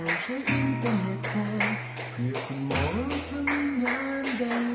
ในมหลงไม่ลจเล่ม